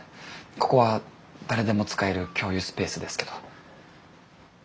ここは誰でも使える共有スペースですけど。